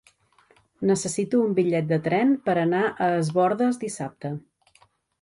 Necessito un bitllet de tren per anar a Es Bòrdes dissabte.